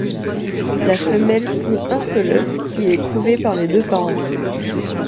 La femelle pond un seul œuf qui est couvé par les deux parents.